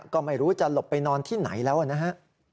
ก็ไม่รู้จะหลบไปนอนที่ไหนแล้วนะฮะ